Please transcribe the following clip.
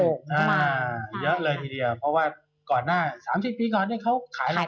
มาเยอะเลยทีเดียวเพราะว่าก่อนหน้า๓๐ปีก่อนเขาขายตลอด